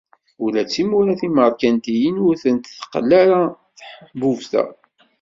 Ula d timura timerkantiyin ur tent-tqal ara teḥbubt-a.